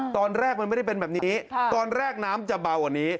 ตอนแรกมันไม่ได้เป็นแบบนี้ตอนแรกน้ำจะเบากว่านี้